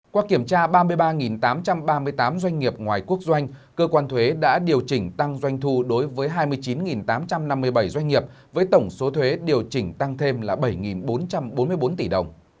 qua kiểm tra ba mươi ba tám trăm ba mươi tám doanh nghiệp ngoài quốc doanh cơ quan thuế đã điều chỉnh tăng doanh thu đối với hai mươi chín tám trăm năm mươi bảy doanh nghiệp với tổng số thuế điều chỉnh tăng thêm là bảy bốn trăm bốn mươi bốn tỷ đồng